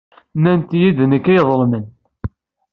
Nnant-iyi-d d nekk ay iḍelmen.